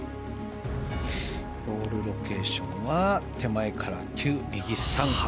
ボールロケーションは左から９、右３。